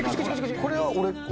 これは俺？